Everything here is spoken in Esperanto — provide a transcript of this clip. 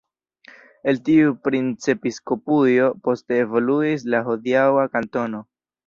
El tiu princepiskopujo poste evoluis la hodiaŭa kantono.